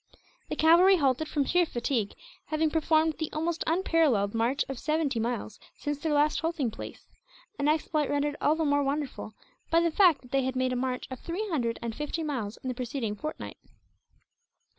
The cavalry halted from sheer fatigue, having performed the almost unparalleled march of seventy miles since their last halting place; an exploit rendered all the more wonderful by the fact that they had made a march of three hundred and fifty miles in the preceding fortnight.